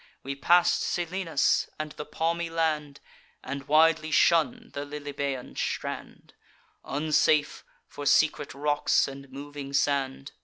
We pass'd Selinus, and the palmy land, And widely shun the Lilybaean strand, Unsafe, for secret rocks and moving sand.